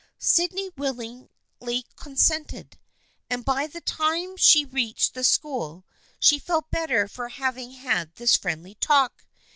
Sydney willingly consented, and by the time she reached the school she felt better for having had this friendly talk.